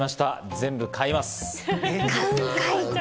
全部買います。